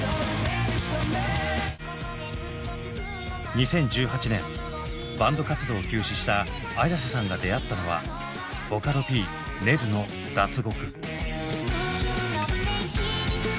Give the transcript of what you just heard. ２０１８年バンド活動を休止したＡｙａｓｅさんが出会ったのはボカロＰＮｅｒｕの「脱獄」。